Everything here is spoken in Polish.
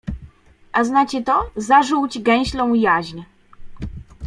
A znacie to? Zażółć gęślą jaźń